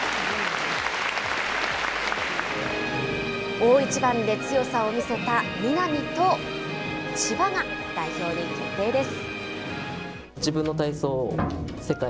大一番で強さを見せた南と千葉が代表に決定です。